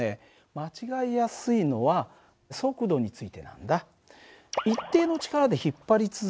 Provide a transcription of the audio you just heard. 間違いやすいのは速度についてなんだ。